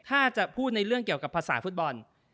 ถ้าจะพูดในเรื่องเกี่ยวกับภาษาฟุตบอล